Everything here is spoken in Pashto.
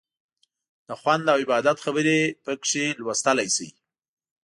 د خوند او عبادت خبرې پکې لوستلی شئ.